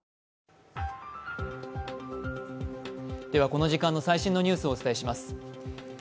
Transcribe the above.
この時間の最新のニュースをお伝えします。